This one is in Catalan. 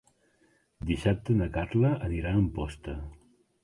Dissabte na Carla anirà a Amposta.